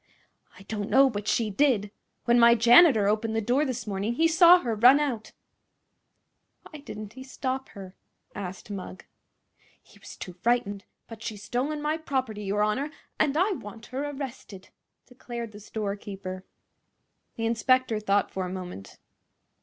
"I don't know; but she did. When my janitor opened the door this morning he saw her run out." "Why didn't he stop her?" asked Mugg. "He was too frightened. But she's stolen my property, your honor, and I want her arrested!" declared the storekeeper. The inspector thought for a moment.